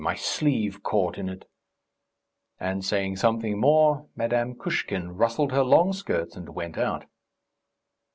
My sleeve caught in it ..." And saying something more, Madame Kushkin rustled her long skirts and went out.